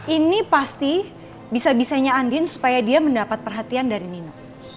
ini pasti bisa bisanya andin supaya dia mendapat perhatian dari nino